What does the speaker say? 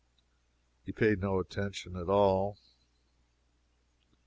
He paid no attention at all.